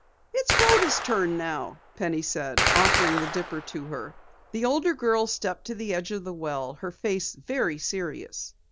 "It's Rhoda's turn now," Penny said, offering the dipper to her. The older girl stepped to the edge of the well, her face very serious.